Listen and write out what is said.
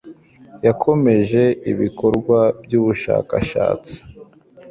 yakomeje ibikorwa byubushakashatsi